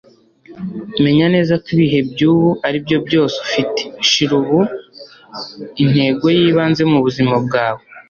menya neza ko ibihe byubu aribyo byose ufite. shira ubu intego y'ibanze mu buzima bwawe